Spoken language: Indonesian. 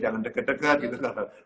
jangan deket deket gitu